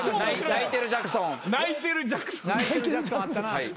泣いてるジャクソンあったな。